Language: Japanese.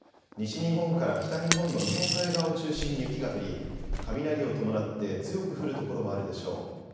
西日本から北日本の日本海側を中心に雪が降り雷を伴って強く降る所もあるでしょう。